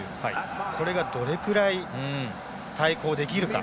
これがどれぐらい対抗できるか。